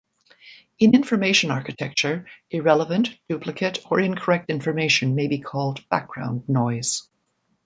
In information architecture, irrelevant, duplicate or incorrect information may be called background noise.